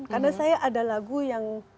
karena saya ada lagu yang